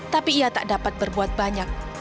tapi ia tak dapat berbuat banyak